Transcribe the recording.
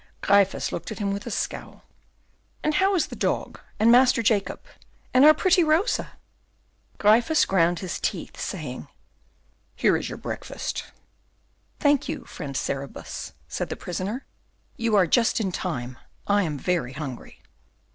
Gryphus looked at him with a scowl. "And how is the dog, and Master Jacob, and our pretty Rosa?" Gryphus ground his teeth, saying "Here is your breakfast." "Thank you, friend Cerberus," said the prisoner; "you are just in time; I am very hungry."